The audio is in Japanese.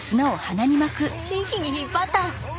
一気に引っ張った！